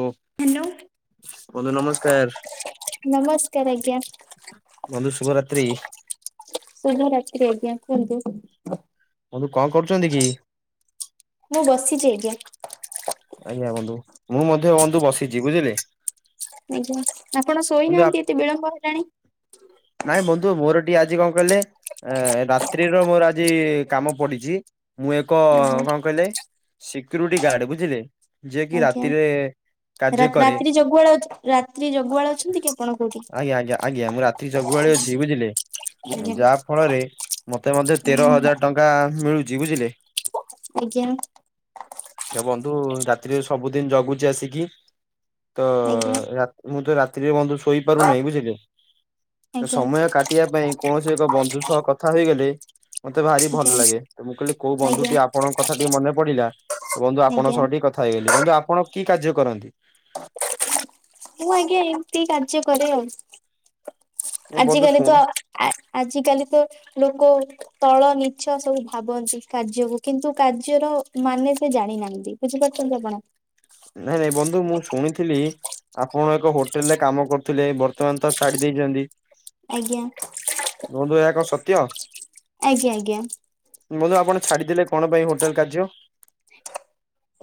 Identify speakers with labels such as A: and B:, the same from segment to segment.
A: ଓ
B: hello
A: ବନ୍ଧୁ ନମସ୍କାର
B: ନମସ୍କାର ଆଜ୍ଞା।
A: ବନ୍ଧୁ ଶୁଭ ରାତ୍ରି।
B: ଶୁଭ ରାତ୍ରି ଆଜ୍ଞା କୁହନ୍ତୁ।
A: ବନ୍ଧୁ କଁ କରୁଚନ୍ତି କି?
B: ମୁଁ ବସିଚି ଆଜ୍ଞା।
A: ଆଜ୍ଞା ବନ୍ଧୁ ମୁଁ ମଧ୍ୟ ବନ୍ଧୁ ବସିଚି ବୁଝିଲେ।
B: ଆଜ୍ଞା ଆପଣ
A: ବନ୍ଧୁ ଆପ୍
B: ଶୋଇନାହାନ୍ତି ଏତେ ବିଳମ୍ବ ହେଲାଣି।
A: ନାଇଁ ବନ୍ଧୁ ମୋରୋ ଟିକେ ଆଜି କଁ କହିଲେ। ଏଁ ରାତ୍ରିର ମୋର ଆଜି କାମ ପଡିଚି ମୁଁ ଏକ
B: ଆଜ୍ଞା
A: କଁ କହିଲେ। ଶିକ୍ରୁଟି ଗାର୍ଡ ବୁଝିଲେ ଯିଏ କି ରାତିରେ। କାର୍ଯ୍ୟ
B: ରାତ୍
A: କରେ
B: ରାତ୍ରି ଜଗୁଆଳ ଅଛ ରାତ୍ରି ଜଗୁଆଳ ଅଛନ୍ତି କି ଆପଣ କୋଉଠି।
A: ତି ଜଗୁଆଳି ଅଛି ବୁଝିଲେ
B: ଆଜ୍ଞା
A: ଯାହା ଫଳରେ ମତେ ମଧ୍ୟ ତେର
B: ଆଜ୍ଞା
A: ହଜାର ଟ ଙ୍କା ମିଳୁଚି ବୁଝିଲେ।
B: ଆଜ୍ଞା।
A: ବନ୍ଧୁ ରାତିରେ ସବୁଦିନ ଜଗୁଛି ଆସିକି। ତ
B: ଆଜ୍ଞା
A: ରାତ୍ ମୁଁ ତ ରାତ୍ରିରେ ବନ୍ଧୁ ଶୋଇପାରୁନାହିଁ ବୁଝିଲେ। ତ
B: ଆଜ୍ଞା
A: ସମୟ କାଟିବା ପାଇଁ କୌଣସି ଏକ ବନ୍ଧୁ ସହ କଥା ହୋଇଗଲେ। ମତେ ଭାରି ଭଲ ଲାଗେ ତ ମୁଁ କହିଲି କୋଉ ବନ୍ଧୁ
B: ଆଜ୍ଞା
A: ଟି ଆପଣଙ୍କ କଥା ଟିକେ ମନେ ପଡି଼ଲା। ତ ବନ୍ଧୁ ଆପଣଙ୍କ
B: ଆଜ୍ଞା
A: ସହ ଟିକେ କଥା ହେଇଗଲି ବନ୍ଧୁ ଆପଣ କି କାର୍ଯ୍ୟ କରନ୍ତି?
B: ମୁଁ ଆଜ୍ଞା ଏମନ୍ତି କାର୍ଯ୍ୟ କରେ ଆଉ।
A: ଏ ବନ୍ଧୁ
B: ଆଜିିକାଲି
A: ଶୁଣ
B: ତ ଆ ଆଜିକାଲି ତ ଲୋକୋ। ତଳ ନିଚ୍ଚ ସବୁ ଭାବନ୍ତି କାର୍ଯ୍ୟକୁ କିନ୍ତୁ କାର୍ଯ୍ୟର ମାନେ ସେ ଜାଣିନାହାନ୍ତି। ବୁଝିପାରୁଛନ୍ତି ଆପଣ?
A: ନାଇଁ, ନାଇଁ ବନ୍ଧୁ ମୁଁ ଶୁଣୁଥିଲି ଆପଣ ଏକ ହୋଟେଲ ରେ କାମ କରୁଥିଲେ ବର୍ତ୍ତମାନ ତ ଛାଡି ଦେଇଛନ୍ତି।
B: ଆଜ୍ଞା
A: ବନ୍ଧୁ ଏହା କଣ ସତ୍ୟ?
B: ଆଜ୍ଞା ଆଜ୍ଞା
A: ବନ୍ଧୁ ଆପଣ ଛାଡିଦେଲେ କଣ ପାଇଁ ହୋଟେଲ କାର୍ଯ୍ୟ?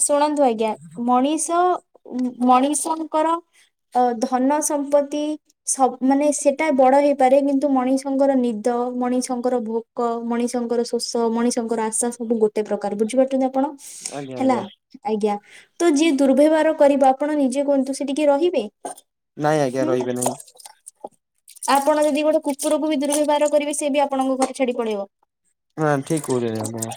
B: ଶୁଣନ୍ତୁ ଆଜ୍ଞା ମଣିଷ ମ-ମଣିଷଙ୍କର ଅ ଧନ ସମ୍ପତ୍ତି ସବୁ ମାନେ ସେଟା ବଡ ହେଇପାରେ କିନ୍ତୁ ମଣିଷଙ୍କର ନିଦ, ମଣିଷଙ୍କର ଭୋ କ, ମଣିଷଙ୍କର ଶୋଷ, ମଣିଷଙ୍କର ଆଶା ସବୁ ଗୋଟେ ପ୍ରକାର, ବୁଝିପାରୁଛନ୍ତି ଆପଣ?
A: ଆଜ୍ଞା,
B: ହେଲା
A: ଆଜ୍ଞା।
B: ଆଜ୍ଞା ତ ଯିଏ ଦୁର୍ ବ୍ଯବହାର କରିବ ଆପଣ ନିଜେ କୁହନ୍ତୁ, ସେଠି କିଏ ରହିବେ?
A: ନାଇଁ ଆଜ୍ଞା
B: ହୁଁ?
A: ରହିବେ ନାହିଁ
B: ଆପଣ ଯଦି ଗୋଟେ କୁକୁରକୁ ବି ଦୁର୍ ବ୍ଯବହାର କରିବେ ସେ ବି ଆପଣଙ୍କ ଘର ଛାଡି଼ ପଳେଇବ।
A: ନା ଠିକ୍ କହୁଛନ୍ତି ଆପଣ।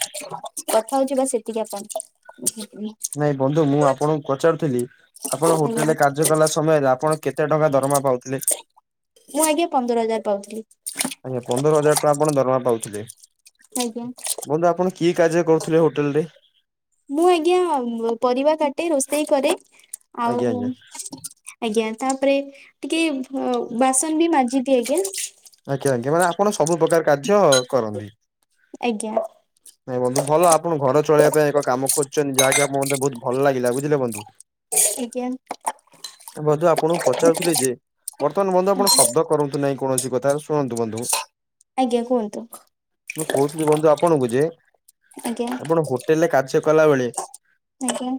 B: କଥା ହଉଛି ବା ସେତିକି ଆପଣ।
A: ନାଇଁ ବନ୍ଧୁ ମୁଁ ଆପଣଙ୍କୁ ପଚାରୁଥିଲି ଆପଣ
B: ଆଜ୍ଞା
A: ହୋଟେଲରେ କା କାର୍ଯ୍ୟ କଲା ସମୟରେ ଆପଣ କେତେ ଟଙ୍କା ଦରମା ପାଉଥିଲେ?
B: ମୁଁ ଆଜ୍ଞା ପନ୍ଦର ହଜାର ପାଉଥିଲି।
A: ଆଜ୍ଞା ପନ୍ଦର ହଜାର ଟଙ୍କା ଆପଣ ଦରମା ପାଉଥିଲେ?
B: ଆଜ୍ଞା।
A: ବନ୍ଧୁ ଆପଣ କି କାର୍ଯ୍ୟ କରୁଥିଲେ ହୋଟେଲ ରେ?
B: ମୁଁ ଆଜ୍ଞା ପରିବା କାଟେ, ରୋଷେଇ କରେ
A: ଆଜ୍ଞା
B: ଆଉ
A: ଆଜ୍ଞା
B: ଆଜ୍ଞା ତାପରେ ଟିକେ ଅ ବାସନ ବି ମାଜିଦିଏ ଆଜ୍ଞା।
A: ଆଜ୍ଞା, ଆଜ୍ଞା ମାନେ ଆପଣ ସବୁ ପ୍ରକାର କାର୍ଯ୍ୟ କରନ୍ତି?
B: ଆଜ୍ଞା।
A: ନାଇଁ ବନ୍ଧୁ ଭଲ ଆପଣ ଘର ଚଳେଇବା ପାଇଁ ଏକ କାମ ଖୋଜୁଛନ୍ତି ଯାହାକି ଆମକୁ ବହୁତ ଭଲ ଲାଗିଲା, ବୁଝିଲେ ବନ୍ଧୁ?
B: ଆଜ୍ଞା।
A: ବନ୍ଧୁ ଆପଣଙ୍କୁ ପଚାରୁଥିଲି ଯେ ବର୍ତ୍ତମାନ ବନ୍ଧୁ ଆପଣ ଶବ୍ଦ କରନ୍ତୁ ନାଇଁ କୌଣସି କଥାରେ, ଶୁଣନ୍ତୁ ବନ୍ଧୁ
B: ଆଜ୍ଞା କୁହନ୍ତୁ।
A: ମୁଁ କହୁଥିଲି ବନ୍ଧୁ ଆପଣଙ୍କୁ ଯେ
B: ଆଜ୍ଞା
A: ଆପଣ ହୋଟେଲ ରେ କାର୍ଯ୍ୟ କଲା ବେଳେ
B: ଆଜ୍ଞା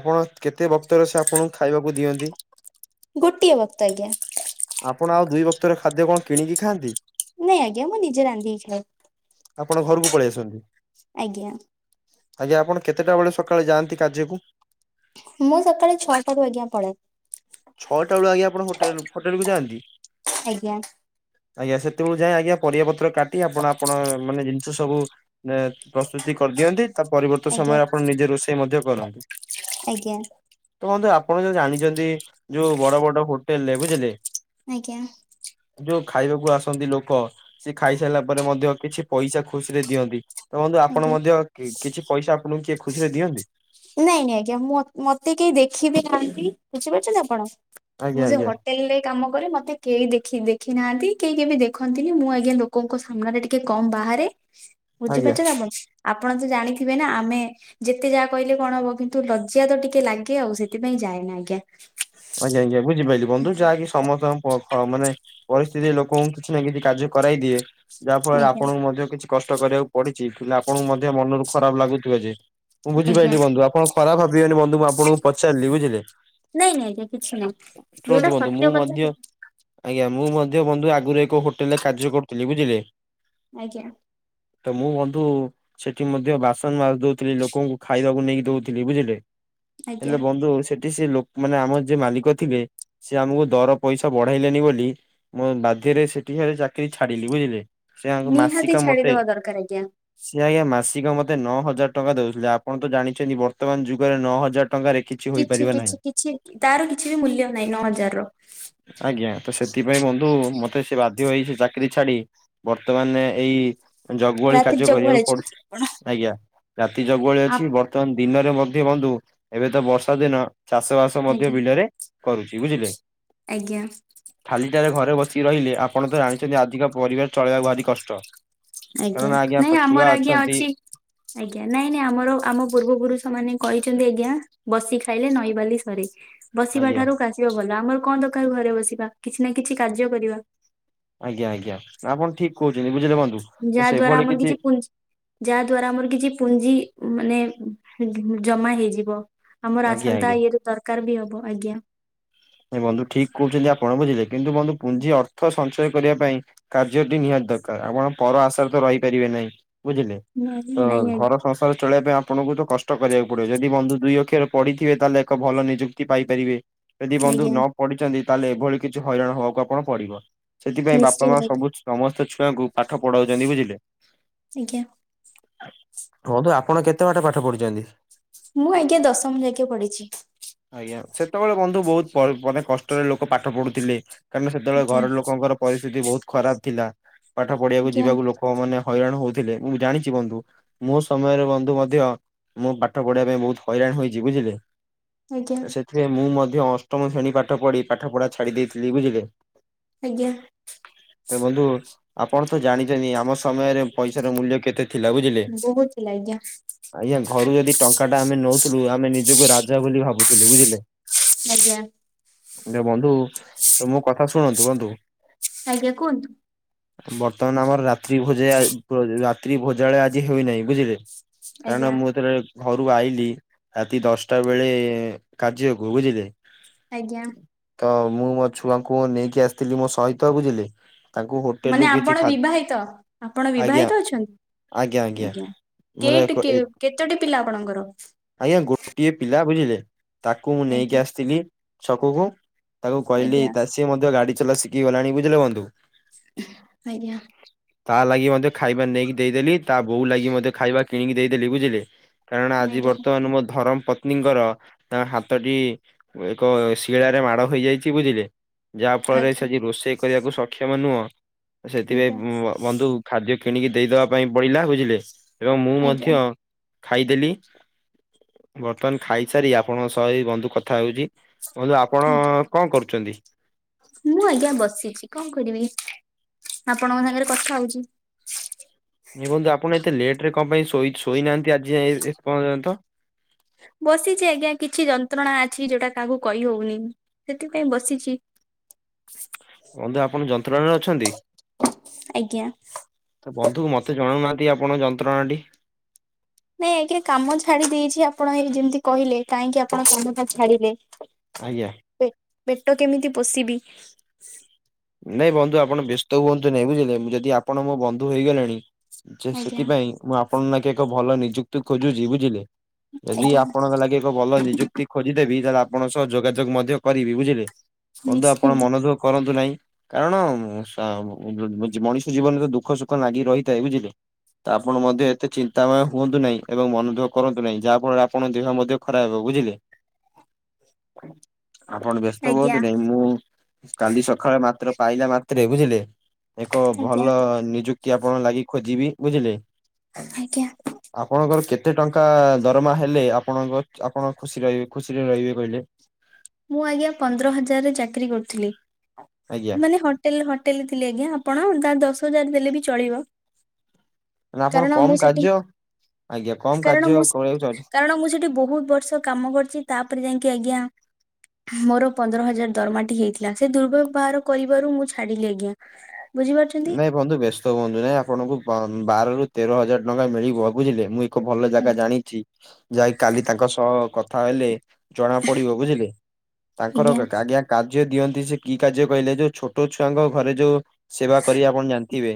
A: ଆପଣ କେତେ ବକ୍ତର ସେ ଆପଣଙ୍କୁ ଖାଇବାକୁ ଦିଅନ୍ତି?
B: ଗୋଟିିଏ ବକ୍ତ ଆଜ୍ଞା।
A: ଆପଣ ଆଉ ଦୁଇ ବକ୍ତର ଖାଦ୍ୟ କଣ କିଣିକି ଖାଆନ୍ତି?
B: ନାଇଁ ଆଜ୍ଞା ମୁଁ ନିଜେ ରାନ୍ଧିକି ଖାଏ।
A: ଆପଣ ଘରକୁ ପଳେଇ ଆସନ୍ତି?
B: ଆଜ୍ଞା।
A: ଆଜ୍ଞା ଆପଣ କେତେଟା ବେଳୁ ସକାଳେ ଯାଆନ୍ତି କାର୍ଯ୍ୟକୁ?
B: ମୁଁ ସକାଳେ ଛଅଟାରୁ ଆଜ୍ଞା ପଳାଏ।
A: ଛଅଟା ବେଳୁ ଆଜ୍ଞା ଆପଣ ହୋଟେଲ ହୋଟେଲକୁ ଯାଆନ୍ତି?
B: ଆଜ୍ଞା।
A: ଆଜ୍ଞା ସେତେବେଳୁ ଯାଏଁ ଆଜ୍ଞା ପରିବା ପତ୍ର କାଟି ଆପଣ ଆପଣ ମାନେ ଜିନିଷ ସବୁ ମ ପ୍ରସ୍ତୁତି କରିଦିଅନ୍ତି? ତା ପରିବର୍ତ୍ତ
B: ଆଜ୍ଞା
A: ସମୟରେ ଆପଣ ନିଜେ ରୋଷେଇ ମଧ୍ୟ କରନ୍ତି?
B: ଆଜ୍ଞା
A: ତ ବନ୍ଧୁ ଆପଣ ତ ଜାଣିଛନ୍ତି ଜୋଉ ବଡ ବଡ ହୋଟେଲରେ ବୁଝିଲେ?
B: ଆଜ୍ଞା।
A: ଯୋଉ ଖାଇବାକୁ ଆସନ୍ତି ଲୋକ ସିଏ ଖାଇସାରିଲା ପରେ ମଧ୍ୟ କିଛି ପଇସା ଖୁସିରେ ଦିଅନ୍ତି। ତ ବନ୍ଧୁ ଆପଣ
B: ଆଜ୍ଞା
A: ମଧ୍ୟ କିଛି ପଇସା ଆପଣଙ୍କୁ କିଏ ଖୁସିରେ ଦିଅନ୍ତି?
B: ନାଇଁ, ନାଇଁ ଆଜ୍ଞା ମୁଁ ମତେ କେହି ଦେଖିବି ନାହାନ୍ତି, ବୁଝିପାରୁଛନ୍ତି ଆପଣ,
A: ଆଜ୍ଞା
B: ମୁଁ ସେ
A: ଆଜ୍ଞା
B: ହୋ ଟେଲ ରେ କାମ କରେ ମତେ କେହି ଦେଖି, ଦେଖି ନାହାନ୍ତି କେହି କେବେ ଦେଖନ୍ତିନି ମୁଁ ଆଜ୍ଞା ଲୋକଙ୍କ ସାମ୍ନାରେ ଟିକେ କମ୍ ବାହାରେ।
A: ଆଜ୍ଞା।
B: ବୁଝିପାରୁଛନ୍ତି ଆପଣ। ଆପଣ ତ ଜାଣିଥିବେ ନା ଆମେ ଯେତେ ଯାହା କହିଲେ କଣ ହବ କିନ୍ତୁ ଲଜିଆ ତ ଟିକେ ଲାଗେ ଆଉ ସେଥିପାଇଁ ଜାଏନା ଆଜ୍ଞା।
A: ଆଜ୍ଞା, ଆଜ୍ଞା ବୁଝିପାଇଲି ବନ୍ଧୁ ଯାହା କି ସମସ୍ତ ମାନେ ପରିସ୍ଥିତି ଲୋକଙ୍କୁ କିଛି ନା କିଛି କାର୍ଯ୍ୟ କରାଇ ଦିଏ ଯାହା ଫଳରେ
B: ଆଜ୍ଞା
A: ଆପଣଙ୍କୁ ମଧ୍ୟ କିଛି କଷ୍ଟ କରିବାକୁ ପଡିଛି ପିଲା ଆପଣଙ୍କୁ ମଧ୍ୟ ମନରୁ ଖରାପ ଲାଗୁଥିବ ଯେ ମୁଁ
B: ଆଜ୍ଞା
A: ବୁଝିପାଇଲି ବନ୍ଧୁ ଆପଣ ଖରାପ ଭାବିବେନି ବନ୍ଧୁ ମୁଁ ଆପଣଙ୍କୁ ପଚାରିଲି ବୁଝିଲେ।
B: ନାଇଁ ନାଇଁ କିଛି ନାହିଁ।
A: ଶୁଣନ୍ତୁ
B: ଯୋଉଟା
A: ବନ୍ଧୁ ମୁଁ
B: ସତ୍ୟ
A: ମଧ୍ୟ
B: କଥା
A: ଆଜ୍ଞା ମୁଁ ମଧ୍ୟ ବନ୍ଧୁ ଆଗରୁ ଏକ ହୋଟେଲରେ କାର୍ଯ୍ୟ କରୁଥିଲି ବୁଝିଲେ।
B: ଆଜ୍ଞା।
A: ତ ମୁଁ ବନ୍ଧୁ ସେଠି ମଧ୍ୟ ବାସନ ମାଜି ଦଉଥିଲି, ଲୋକଙ୍କୁ ଖାଇବାକୁ ନେଇକି ଦଉଥିଲି ବୁଝିଲେ।
B: ଆଜ୍ଞା
A: ହେଲେ ବନ୍ଧୁ ସେଠି ସେ ଲୋକ ମାନେ ଆମ ଯିଏ ମାଲିକ ଥିଲେ ସେ ଆମକୁ ଦର ପଇସା ବଢାଇଲେନି ବୋଲି ମୁଁ ବାଧ୍ୟରେ ସେଠି କାର ଚାକିରୀ ଛାଡିଲି ବୁଝିଲେ ସେ ୟାଙ୍କ
B: ନିହାତି
A: ମାସିକା ମତେ
B: ଛାଡିଦବା ଦରକାର ଆଜ୍ଞା।
A: ସିଏ ଆଜ୍ଞା ମାସିକ ମତେ ନଅ ହଜାର ଟଙ୍କା ଦଉଥିଲେ ଆପଣ ତ ଜାଣିଛନ୍ତି ବର୍ତ୍ତମାନ ଯୁଗରେ ନଅ ହଜାର ଟଙ୍କାରେ କିଛି ହୋଇପାରିବ
B: କିଛି
A: ନାହିଁ।
B: କିଛି ତାର କିଛି ବି ମୂଲ୍ୟ ନାହିଁ, ନଅ ହଜାରର।
A: ଆଜ୍ଞା। ତ ସେଥିପାଇଁ ବନ୍ଧୁ ମତେ ସେ ବାଧ୍ୟ ହେଇ ସେ ଚାକିରି ଛାଡି ବର୍ତ୍ତମାନ ଏଇ ଜଗୁଆଳି
B: ରାତିରେ
A: କାର୍ଯ୍ୟ କରିବାକୁ ପଡୁଛି।
B: ଜଗୁଆଳେଛନ୍ତି ଆପଣ।
A: ଆଜ୍ଞା ରାତି ଜଗୁଆଳି ଅଛି।
B: ଆପ-
A: ବର୍ତ୍ତମାନ ଦିନରେ ମଧ୍ୟ ବନ୍ଧୁ ଏବେ ତ ବର୍ଷା ଦିନ ଚାଷବାସ ମଧ୍ୟ
B: ଆଜ୍ଞା
A: ବିଲରେ କରୁଛି ବୁଝିଲେ?
B: ଆଜ୍ଞା।
A: ଖାଲିଟାରେ ଘରେ ବସିକି ରହିଲେ, ଆପଣ ତ ଜାଣିଛନ୍ତି ଆଜିକା ପରିବାର ଚଳେଇବା ଭାରି କଷ୍ଟ। କାରଣ
B: ଆଜ୍ଞା। ନାଇଁ
A: ଛୁଆ
B: ଆମର ଆଜ୍ଞା
A: ଅଛନ୍ତି
B: ଅଛି। ଆଜ୍ଞା ନାଇଁ ନାଇଁ ଆମର ଆମ ପୂର୍ବପୁରୁଷମାନେ କହିଛନ୍ତି ଆଜ୍ଞା ବସି ଖାଇଲେ ନଈବାଲି ସରେ। ବସିବା
A: ଆଜ୍ଞା
B: ଠାରୁ କାସିବା ଭଲ। ଆମର କଣ ଦରକାର ଘରେ ବସିବା, କିଛି ନା କିଛି କାର୍ଯ୍ୟ କରିବା।
A: ଆଜ୍ଞା ଆଜ୍ଞା ଆପଣ ଠିକ କହୁଛନ୍ତି, ବୁଝିଲେ ବନ୍ଧୁ ତ
B: ଯାହା ଦ୍ଵାରା
A: ସେଇଭଳି
B: ଆମର କିଛି ପୁ ଯାହା ଦ୍ଵାରା ଆମର କିଛି ପୁଞ୍ଜି ମାନେ ଜମା ହେଇଯିବ। ଆମର
A: ଆଜ୍ଞା
B: ଆସନ୍ତା
A: ଆଜ୍ଞା।
B: ଇଏରୁ ଦରକାର ବି ହବ। ଆଜ୍ଞା।
A: ବନ୍ଧୁ ଠିକ କହୁଛନ୍ତି ଆପଣ ବୁଝିଲେ କିନ୍ତୁ ବନ୍ଧୁ ପୁଞ୍ଜି ଅର୍ଥ ସଞ୍ଚୟ କରିବା ପାଇଁ କାର୍ଯ୍ୟଟି ନିହାତି ଦରକାର, ଆପଣ ପର ଆଶାରେ ତ ରହିପାରିବେ ନାହିଁ, ବୁଝିଲେ
B: ନାଇଁ
A: ତ
B: ନାଇଁ ଆଜ୍ଞା
A: ଘର ସଂସାର ଚଳେଇବା ପାଇଁ ଆପଣଙ୍କୁ ତ କଷ୍ଟ କରିବାକୁ ପଡିବ, ଯଦି ବନ୍ଧୁ ଦୁଇ ଅକ୍ଷର ପଢିଥିବେ ତାହେଲେ ଏକ ଭଲ ନିଯୁକ୍ତି ପାଇପାରିବେ। ଯଦି ବନ୍ଧୁ
B: ଆଜ୍ଞା।
A: ନ ପଡିିଛନ୍ତି ତାହେଲେ ଏଭଳି କିଛି ହଇରାଣ ହବାକୁ ଆପଣ ପଡିବ, ସେଥିପାଇଁ ବାପା
B: ନିଶ୍ଚିନ୍ତ
A: ମା
B: ଆଜ୍ଞା
A: ସବୁ ସମସ୍ତ ଛୁଆଙ୍କୁ ପାଠ ପଢାଉଛନ୍ତି ବୁଝିଲେ।
B: ଆଜ୍ଞା।
A: ବନ୍ଧୁ ଆପଣ କେତେ ବାଟ ପାଠ ପଢିଛନ୍ତି?
B: ମୁଁ ଆଜ୍ଞା ଦଶମ ଯାକେ ପଢିଛି।
A: ଆଜ୍ଞା ସେତେବେଳେ ବନ୍ଧୁ ବହୁତ ମାନେ କଷ୍ଟରେ ଲୋକ ପାଠ ପଢୁଥିଲେ। କାରଣ ସେତେବେଳେ
B: ଆଜ୍ଞା
A: ଘର ଲୋକଙ୍କର ପରିସ୍ଥିତି ବହୁତ ଖରାପ ଥିଲା, ପାଠ ପଢିବାକୁ
B: ଆଜ୍ଞା।
A: ଯିବାକୁ ଲୋକ ମାନେ ହଇରାଣ ହଉଥିଲେ, ମୁଁ ଜାଣିଛି ବନ୍ଧୁ ମୋ ସମୟରେ ବନ୍ଧୁ ମଧ୍ୟ ମୁଁ ପାଠ ପଢ଼ିବା ପାଇଁ ବହୁତ ହଇରାଣ ହୋଇଛି ବୁଝିଲେ।
B: ଆଜ୍ଞା।
A: ସେଥିପାଇଁ ମୁଁ ମଧ୍ୟ ଅଷ୍ଟମ ଶ୍ରେଣୀ ପାଠ ପଢ଼ି, ପାଠପଢା ଛାଡ଼ି ଦେଇଥିଲି ବୁଝିଲେ।
B: ଆଜ୍ଞା।
A: ତ ବନ୍ଧୁ ଆପଣ ତ ଜାଣିଛନ୍ତି ଆମ ସମୟରେ ପଇସାର ମୂଲ୍ୟ କେତେ ଥିଲା ବୁଝିଲେ।
B: ବହୁତ ଥିଲା ଆଜ୍ଞା
A: ଆଜ୍ଞା ଘରୁ ଯଦି ଟଙ୍କାଟା ଆମେ ନଉଥିଲୁ, ଆମେ ନିଜକୁ ରାଜା ବୋଲି ଭାବୁଥିଲୁ ବୁଝିଲେ।
B: ଆଜ୍ଞା।
A: ହେଲେ ବନ୍ଧୁ ତ ମୋ କଥା ଶୁଣନ୍ତୁ ବନ୍ଧୁ।
B: ଆଜ୍ଞା କୁହନ୍ତୁ।
A: ବର୍ତ୍ତମାନ ଆମର ରାତ୍ରି ଭୋଜେୟା ରାତ୍ରି ଭୋଜାଳୟ ଆଜି ହେଇନାହିଁ ବୁଝିଲେ। କାରଣ
B: ଆଜ୍ଞା
A: ମୁଁ ଯେତେବେଳେ ଘରୁକୁ ଆଇଲି ରାତି ଦଶଟା ବେଳେ କାର୍ଯ୍ୟକୁ ବୁଝିଲେ
B: ଆଜ୍ଞା।
A: ତ ମୁଁ ମୋ ଛୁଆଙ୍କୁ ନେଇକି ଆସିଥିଲି, ମୋ ସହିତ ବୁଝିଲେ। ତାଙ୍କୁ ହୋଟେଲ ରୁ
B: ମାନେ
A: କିଛି
B: ଆପଣ
A: ଖା
B: ବିବାହିତ, ଆପଣ
A: ଆଜ୍ଞା
B: ବିବାହିତ ଅଛନ୍ତି? ଆଜ୍ଞା
A: ମୋର
B: କେଇ
A: ଏକ
B: ଟିକେ
A: ଏ
B: କେତୋଟି ପିଲା ଆପଣଙ୍କର?
A: ଆଜ୍ଞା ଗୋଟିଏ ପିଲା ବୁଝିଲେ, ତାକୁ ମୁଁ ନେଇକି
B: ଆଜ୍ଞା।
A: ଆସିଥିଲି ଛକକୁ। ତାକୁ କହିଲି,
B: ଆଜ୍ଞା
A: ତା ସିଏ ମଧ୍ୟ ଗାଡି ଚଲା ଶିଖିଗଲାଣି ବୁଝିଲେ ବନ୍ଧୁ।
B: ଆଜ୍ଞା।
A: ତା ଲାଗି ମତେ ଖାଇବା ନେଇକି ଦେଇଦେଲି, ତା ବୋଉ ଲାଗି ମଧ୍ୟ ଖାଇବା କିଣିକି ଦେଇଦେଲି, ବୁଝିଲେ। କାରଣ ଆଜି
B: ଆଜ୍ଞା
A: ବର୍ତ୍ତମାନ ମୋ ଧରମ ପତ୍ନୀଙ୍କର ତାଙ୍କ ହାତଟି ଏକ ଶିଳାରେ ମାଡ ହୋଇଯାଇଚି ବୁଝିଲେ ଯାହା ଫଳରେ
B: ଆଜ୍ଞା
A: ସେଠି ରୋଷେଇ କ କରିବାକୁ ସକ୍ଷମ ନୁହଁ, ସେଥିପାଇଁ
B: ଆଜ୍ଞା
A: ବଁ ବନ୍ଧୁ ଖାଦ୍ୟ କିଣିକି ଦେଇଦବା ପାଇଁ ପଇଲା ବୁଝିଲେ ଏବଂ ମୁଁ
B: ଆଜ୍ଞା
A: ମଧ୍ୟ ଖାଇଦେଲି। ବର୍ତ୍ତମାନ ଖାଇସାରି ଆପଣଙ୍କ ସହ ଏ ବନ୍ଧୁ କଥା ହଉଚି। କହିଲି ଆପଣ
B: ଆଜ୍ଞା।
A: କଁ କରୁଚନ୍ତି?
B: ମୁଁ ଆଜ୍ଞା ବସିଚି କଣ କରିବି ଆପଣଙ୍କ ସାଙ୍ଗରେ କଥା ହଉଚି।
A: ଦେଖନ୍ତୁ ଆପଣ ଏତେ ଲେଟ ରେ କଣ ପାଇଁ ଶୋଇ ଶୋଇନାହାନ୍ତି ଆଜିଯାଏଁ ଏ ପର୍ଯ୍ୟନ୍ତ
B: ବସିଚି ଆଜ୍ଞା କିଛି ଯନ୍ତ୍ରଣା ଅଛି ଯୋଉଟା କାହାକୁ କହିହଉନି ସେଥିପାଇଁ ବସିଚି।
A: ବନ୍ଧୁ ଆପଣ ଯନ୍ତ୍ରଣାରେ ଅଛନ୍ତି?
B: ଆଜ୍ଞା।
A: ତ ବନ୍ଧୁ ମୋତେ ଜଣଉନାହାନ୍ତି ଆପଣ ଯନ୍ତ୍ରଣା ଟି?
B: ନାଇଁ ଏକରେ କାମ ଛାଡି ଦେଇଚି ଆପଣ ଏଇ ଯେମିତି କହିଲେ କାହିଁକି ଆପଣ କାମଟା ଛାଡିଲେ?
A: ଆଜ୍ଞା।
B: ପେ ପେଟ କେମିତି ପୋଷିବି?
A: ନାଇଁ ବନ୍ଧୁ ଆପଣ ବ୍ୟସ୍ତ ହୁଅନ୍ତୁନି ବୁଝିଲେ, ମୁଁ ଯଦି ଆପଣ ମୋ ବନ୍ଧୁ ହେଇଗଲେଣି ଯେ
B: ଆଜ୍ଞା
A: ସେଥିପାଇଁ ମୁଁ ଆପଣଙ୍କ ନାଗି ଏକ ଭଲ ନିଯୁକ୍ତି ଖୋଜୁଚି ବୁଝିଲେ। ଯଦି
B: ଆଜ୍ଞା
A: ଆପଣଙ୍କ ଲାଗି ଭଲ ନିଯୁକ୍ତି ଖୋଜିଦେବି ତାହାଲେ ଆପଣ ସହ ଯୋଗାଯୋଗ ମଧ୍ୟ କରିବି ବୁଝିଲେ ବନ୍ଧୁ ଆପଣ
B: ନିଶ୍ଚିନ୍ତ।
A: ମନଦୁଃ କରନ୍ତୁ ନାଇଁ। କାରଣ ମ ସାମ୍ ଉ ବ ମଣିଷ ଜୀବନରେ ଦୁଃଖ ସୁଖ ଲାଗି ରହିଥାଏ ବୁଝିଲେ। ତ ଆପଣ ମଧ୍ୟ ଏତେ ଚିନ୍ ନ୍ତା ମୟ ହୁଅନ୍ତୁ ନାହିଁ ଏବଂ ମନଦୁଃଖ କରନ୍ତୁ ନାହିଁ ଯାହା ଫଳରେ ଆପଣ ଦେହ ମଧ୍ୟ ଖରାପ ହେବ ବୁଝିଲେ। ଆପଣ ବ୍ୟସ୍ତ
B: ଆଜ୍ଞା
A: ହୁଅନ୍ତୁ ନାଇ ମୁଁ କାଲି ସଖାଳେ ମା ତ୍ର ପାଇଲା ମାତ୍ରେ ବୁଝିଲେ ଏକ
B: ଆଜ୍ଞା
A: ଭଲ ନିଯୁକ୍ କ୍ତି ଆପଣଙ୍କ ଲାଗି ଖୋଜିବି ବୁଝିଲେ।
B: ଆଜ୍ଞା।
A: ଆପଣଙ୍କର କେତେ ଟଙ୍କା ଦରମା ହେଲେ ଆପଣଙ୍କଚ୍ ଆପଣ ଖୁସିରହିବେ ଖୁସିରେ ରହିବେ କହିଲେ।
B: ମୁଁ ଆଜ୍ଞା ପନ୍ଦର ହଜାରରେ ଚାକିରୀ କରୁଥିଲି।
A: ଆଜ୍ଞା
B: ମାନେ ହଟ୍ ଟେଲ ହୋଟେଲ ରେ ଥିଲି ଆଜ୍ଞା ଆପଣ ତା ଦଶ ହଜାର ଦେଲେ ବି ଚଳିବ।
A: ନା ଆପଣ
B: କାରଣ
A: କମ
B: ମୁଁ ସେଟି
A: କାର୍ଯ୍ୟ ଆଜ୍ଞା କମ
B: କାରଣ
A: କାର୍ଯ୍ୟ
B: ମୁଁ
A: କରିବାକୁ ଚାହୁଁଛନ୍ତି।
B: ସ କାରଣ ମୁଁ ସେଠି ବହୁତ ବର୍ଷ କାମ କରୁଚି ତାପରେ ଯାଇଁକି ଆଜ୍ଞା ମୋର ପନ୍ଦର ହଜାର ଦରମାଟି ହେଇଥିଲା। ସେ ଦୁର୍ବ୍ୟବହାର କରିବାରୁ ମୁଁ ଛାଡିଲି ଆଜ୍ଞା। ବୁଝିପାରୁଚନ୍ତି।
A: ନାଇଁ ବନ୍ଧୁ ବ୍ୟସ୍ତ ହୁଅନ୍ତୁ ନାଇଁ ଆପଣଙ୍କୁ ବ ବାର ରୁ ତେର ହଜାର ଟଙ୍କା ମିଳିବ ବୁଝିଲେ ମୁଁ ଏକ ଭଲ ଜାଗା
B: ଆଜ୍ଞା
A: ଜାଣିଚି ଯାଇ କାଲି ତାଙ୍କ ସହ କଥା ହେଲେ ଜଣା ପଡିବ ବୁଝିଲେ ତାଙ୍କର ଆଜ୍ଞା କାର୍ଯ୍ୟ ଦିଅନ୍ତି ସେ କି କାର୍ଯ୍ୟ କହିଲେ ଯୋଉ ଛୋଟ ଛୁଆଙ୍କ ଘରେ ଯୋଉ ସେବା କରିବା ଆପଣ ଜାଣିଥିବେ।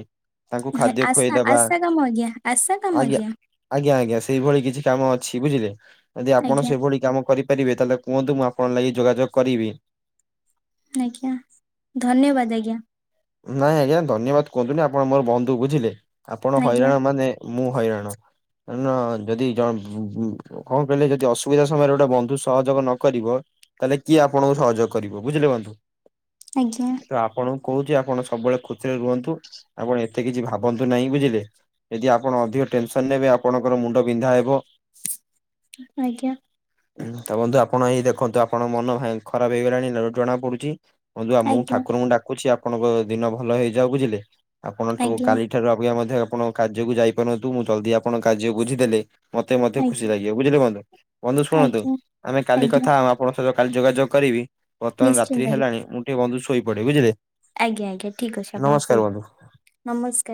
A: ତାଙ୍କୁ
B: ହେ
A: ଖାଦ୍ୟ
B: ଆସା
A: ଖୁଆଇଦବା
B: ଆସା କାମ ଆଜ୍ଞା ଆସା କାମ ଆଜ୍ଞା।
A: ଆଜ୍ଞା, ଆଜ୍ଞା ସେଇଭଳି କିଛି କାମ ଅଛି ବୁଝିଲେ। ଯଦି ଆପଣ
B: ଆଜ୍ଞା
A: ସେଭଳି କାମ କରି ପାରିବେ ତାହେଲେ କୁହନ୍ତୁ ମୁଁ ଆପଣ ଲାଗି ଯୋଗାଯୋଗ କରିବି।
B: ଆଜ୍ଞା ଧନ୍ୟବାଦ୍ ଆଜ୍ଞା।
A: ନାଇଁ ଆଜ୍ଞା ଧନ୍ୟବାଦ କୁହନ୍ତୁନି ଆପଣ ମୋର ବନ୍ଧୁ ବୁଝିଲେ। ଆପଣ
B: ଆଜ୍ଞା
A: ହଇରାଣ ମାନେ ମୁଁ ହଇରାଣ। ନା ଯଦି ଜଣ ଉଁ, କଣ କହିଲେ ଯଦି ଅସୁବିଧା ସମୟରେ ଗୋଟେ ବନ୍ଧୁ ସହଯୋଗ ନ କରିବ ତାହେଲେ କିଏ ଆପଣଙ୍କୁ ସହଯୋଗ କରିବ ବୁଝିଲେ ବନ୍ଧୁ।
B: ଆଜ୍ଞା।
A: ତ ଆପଣଙ୍କୁ କହୁଛି ଆପଣ ସବୁବେଳେ ଖୁସିରେ ରୁହନ୍ତୁ। ଆପଣ ଏତେ କିଛି ଭାବନ୍ତୁ ନାହିଁ ବୁଝିଲେ। ଯଦି ଆପଣ ଅଧିକ ଟେନସନ୍ ନେବେ ଆପଣଙ୍କର ମୁଣ୍ଡ ବିନ୍ଧା ହେବ।
B: ଆଜ୍ଞା।
A: ଉଁ, ତ ବନ୍ଧୁ ଆପଣ ଏଇ ଦେଖନ୍ତୁ ଆପଣ ମନ ଭା ଖରାପ ହେଇ ଗଲାଣି ଲ-ଜଣା ପଡୁଛି। ବନ୍ଧୁ ଆଉ ମୁଁ
B: ଆଜ୍ଞା
A: ଠାକୁରଙ୍କୁ ଡାକୁଛି ଆପଣଙ୍କ ଦିନ ଭଲ ହେଇ ଯାଉ ବୁଝିଲେ। ଆପଣଙ୍କୁ
B: ଆଜ୍ଞା
A: କାଲି ଠାରୁ ଅବିକା ମଧ୍ୟ ଆପଣ କାର୍ଯ୍ୟ କୁ ଯାଇପାରୁ ନାହାନ୍ତୁ ମୁଁ ଜଲଦି ଆପଣଙ୍କ କାର୍ଯ୍ୟ ବୁଝିଦେଲେ ମୋତେ ମଧ୍ୟ
B: ଆଜ୍ଞା
A: ଖୁସି ଲାଗିବ ବୁଝିଲେ ବନ୍ଧୁ। ବନ୍ଧୁ
B: ଆଜ୍ଞା
A: ଶୁଣନ୍ତୁ
B: ଆଜ୍ଞା
A: ଆମେ କାଲି
B: ଆଜ୍ଞା
A: କଥା ହବା। ଫୋନ୍ ସହିତ କାଲି ଯୋଗାଯୋଗ କରିବି। ବର୍ତ୍ତମାନ
B: ନିଶ୍ଚିନ୍ତ
A: ରାତ୍ରି
B: ଆଜ୍ଞା।
A: ହେଲାଣି ମୁଁ ଟିକେ ବନ୍ଧୁ ଶୋଇପଡେ ବୁଝିଲେ।
B: ଆଜ୍ଞା, ଆଜ୍ଞା ଠିକ୍ ଅଛି ଆପଣ
A: ନମସ୍କାର ବନ୍ଧୁ।
B: ଶୋଇପଡ। ନମସ୍କାର।